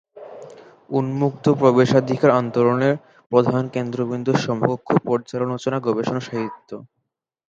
উন্মুক্ত প্রবেশাধিকার আন্দোলনের প্রধান কেন্দ্রবিন্দু "সমকক্ষ পর্যালোচনা গবেষণা সাহিত্য"।